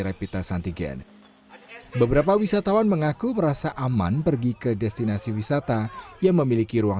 repita santigen beberapa wisatawan mengaku merasa aman pergi ke destinasi wisata yang memiliki ruang